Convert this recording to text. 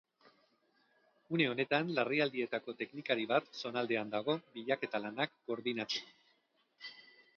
Une honetan larrialdietako teknikari bat zonaldean dago, bilaketa lanak koordinatzeko.